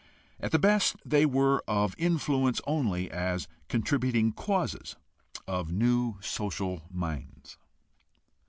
At the best they were of influence only as contributing causes of new social minds.